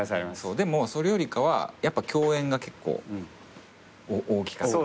でもそれよりかはやっぱ共演が結構大きかった。